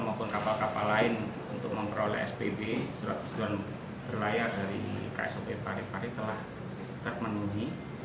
kontrol maupun kapal kapal lain untuk memperoleh spb berlayar dari ksop pari pari telah terpenuhi